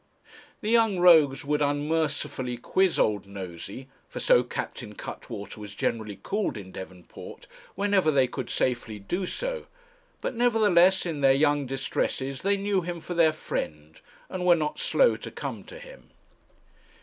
The young rogues would unmercifully quiz Old Nosey, for so Captain Cuttwater was generally called in Devonport, whenever they could safely do so; but, nevertheless, in their young distresses they knew him for their friend, and were not slow to come to him.